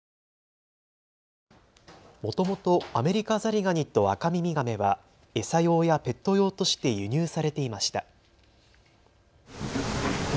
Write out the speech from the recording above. もともとアメリカザリガニとアカミミガメは餌用やペット用として輸入されていました。